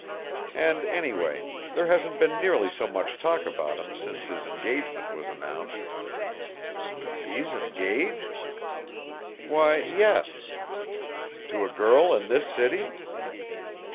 And anyway, there hasn't been nearly so much talk about him since his engagement was announced." "He is engaged?" "Why, yes." "To a girl in this city!"